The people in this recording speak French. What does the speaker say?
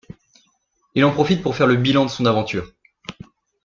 Il en profite pour faire le bilan de son aventure.